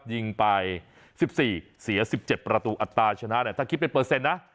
ยิงไป๑๔เสีย๑๗ประตูอัตราชนะเนี่ยถ้าคิดเป็นเปอร์เซ็นต์นะ